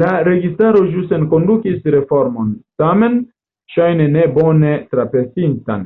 La registaro ĵus enkondukis reformon, tamen ŝajne ne bone trapensitan.